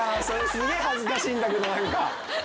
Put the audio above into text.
すげぇ恥ずかしいんだけど何か。